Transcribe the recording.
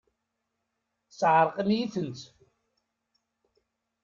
Tesεeṛqem-iyi-tent!